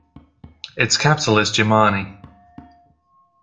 Its capital is Jimani.